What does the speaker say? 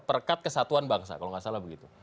perkat kesatuan bangsa kalau nggak salah begitu